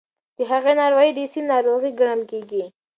د هغې ناروغۍ اډیسن ناروغي ګڼل کېږي.